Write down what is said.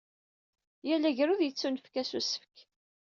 Yal agrud yettunefk-as usefk.